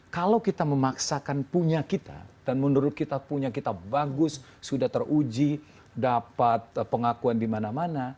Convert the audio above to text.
kalau kita memaksakan punya kita dan menurut kita punya kita bagus sudah teruji dapat pengakuan di mana mana